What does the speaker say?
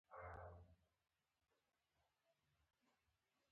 غلی، د خطر مخه نیسي.